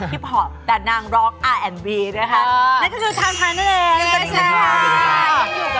คลิปฮอล์แต่นางร็อกอาร์แอนด์บีด้วยค่ะนั่นก็คือนั่นคือนั่นคือ